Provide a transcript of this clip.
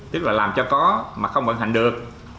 tức là làm cho có mà không vận hành được